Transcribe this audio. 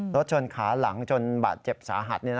รถชนขาหลังจนบาดเจ็บสาหัส